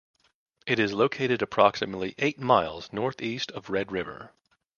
It is located approximately eight miles northeast of Red River.